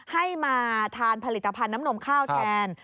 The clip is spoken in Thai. ให้มาทานผลิตภัณฑ์น้ำนมข้าวแทน